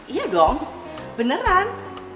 iya dong beneran